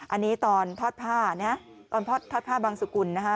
อันนี้ตอนทอดผ้านะตอนทอดผ้าบางสุกุลนะฮะ